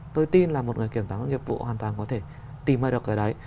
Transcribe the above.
tôi tin là một người kiểm soát nghiệp vụ hoàn toàn có thể tìm ra được cái đấy